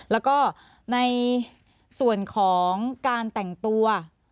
แล้วก็ในส่วนของการแต่งตัว